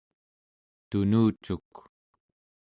tunucuk